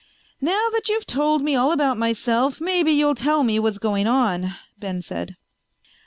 "Now that you've told me all about myself maybe you'll tell me what's going on," Ben said.